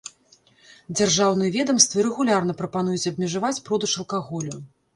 Дзяржаўныя ведамствы рэгулярна прапануюць абмежаваць продаж алкаголю.